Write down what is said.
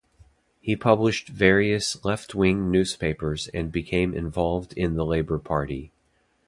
He published various left-wing newspapers and became involved in the Labour Party.